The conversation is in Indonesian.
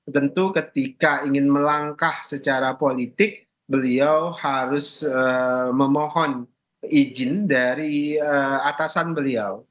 tentu ketika ingin melangkah secara politik beliau harus memohon izin dari atasan beliau